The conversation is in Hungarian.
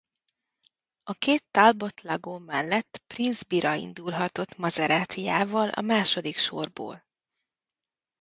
A két Talbot-Lago mellett Prince Bira indulhatott Maseratijával a második sorból.